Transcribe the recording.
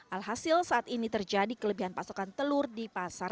alhasil saat ini terjadi kelebihan pasokan telur di pasar